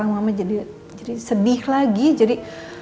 mama jadi sedih lagi jadi